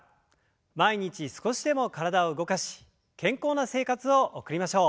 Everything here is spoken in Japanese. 毎日少しでも体を動かし健康な生活を送りましょう。